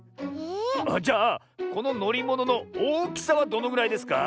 ⁉ああじゃあこののりもののおおきさはどのぐらいですか？